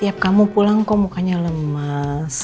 tiap kamu pulang kok mukanya lemas